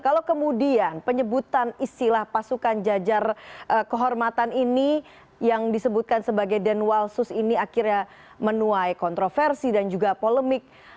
kalau kemudian penyebutan istilah pasukan jajar kehormatan ini yang disebutkan sebagai denwalsus ini akhirnya menuai kontroversi dan juga polemik